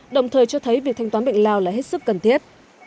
đồng thời cho thấy việc thanh toán bệnh lao là hết sức cần thiết